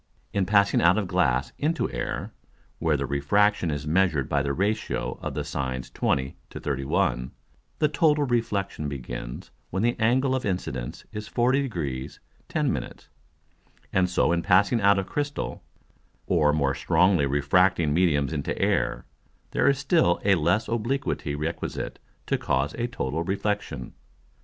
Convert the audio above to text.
In passing out of Glass into Air, where the Refraction is measured by the Ratio of the Sines 20 to 31, the total Reflexion begins when the Angle of Incidence is 40 Degrees 10 Minutes; and so in passing out of Crystal, or more strongly refracting Mediums into Air, there is still a less obliquity requisite to cause a total reflexion.